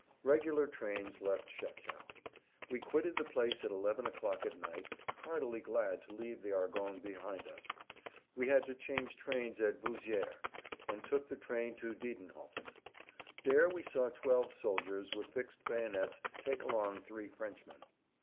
Regular trains left Chatel. We quitted the place at 11 o'clock at night, heartily glad to leave the Argonnes behind us. We had to change trains at Vouzières, and took the train to Diedenhofen. There we saw twelve soldiers with fixed bayonets take along three Frenchmen.